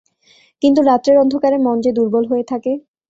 কিন্তু রাত্রের অন্ধকারে মন যে দুর্বল হয়ে থাকে।